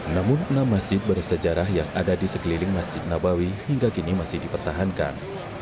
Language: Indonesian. namun enam masjid bersejarah yang ada di sekeliling masjid nabawi hingga kini masih dipertahankan